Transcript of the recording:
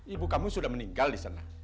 ibu kamu sudah meninggal di sana